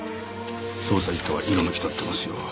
捜査一課は色めき立ってますよ。